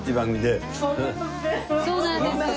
そうなんです。